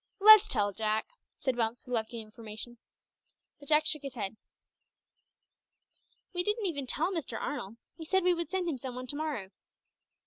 "Let's tell, Jack," said Bumps, who loved giving information. But Jack shook his head. "We didn't even tell Mr. Arnold; we said we would send him some one to morrow."